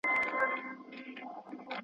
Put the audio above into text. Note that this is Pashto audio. کوچیانو ته روغتیایي خدمات څنګه رسیږي؟